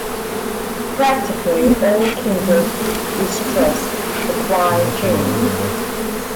Practically all Kindred distrust the Kuei-jin.